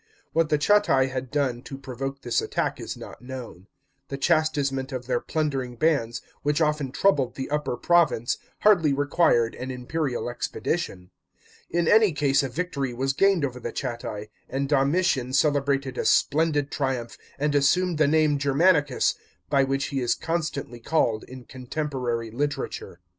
What the Chatti had done to provoke this attack, is not known. The chastisement of their plundering bands, which often troubled the Upper province, hardly required an imperial expedition. In any case a victory was gained over the Chatti, and Domitian celebrated a splendid triumph, and assumed the name Germanicus, by which he is constantly called in contemporary literature.